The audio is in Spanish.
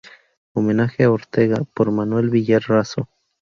Homenaje a Ortega", por Manuel Villar Raso.